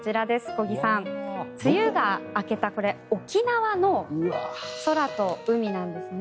小木さん、梅雨が明けたこれは沖縄の空と海なんですね。